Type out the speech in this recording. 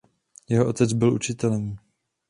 Jeho otec byl učitelem.